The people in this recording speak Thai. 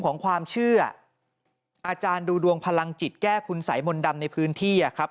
หลังจากพบศพผู้หญิงปริศนาตายตรงนี้ครับ